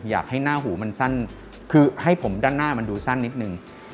อยากให้หน้าหูมันสั้นคือให้ผมด้านหน้ามันดูสั้นนิดนึง